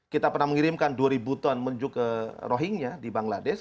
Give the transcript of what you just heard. kita pernah mengirimkan dua ribu ton menuju ke rohingya di bangladesh